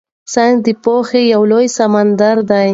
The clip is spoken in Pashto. ساینس د پوهې یو لوی سمندر دی.